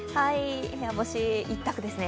部屋干し一択ですね。